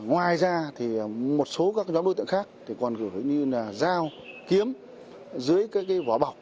ngoài ra thì một số các nhóm đối tượng khác thì còn gửi như là giao kiếm dưới cái cái vỏ bọc